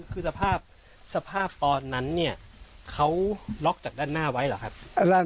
คือสภาพสภาพตอนนั้นเนี่ยเขาล็อกจากด้านหน้าไว้เหรอครับ